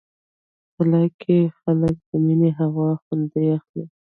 تله کې خلک د مني هوا خوند اخلي.